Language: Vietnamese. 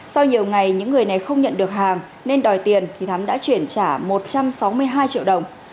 sau nhiều ngày những người này không nhận được hàng nên đòi tiền thì thắm đã chuyển trả một trăm sáu mươi hai triệu đồng